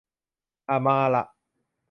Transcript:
อะ มาละ